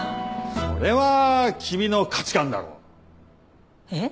それは君の価値観だろ。えっ？